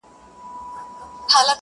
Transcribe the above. په هند کې د سېکانو